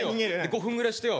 ５分ぐらいしてよ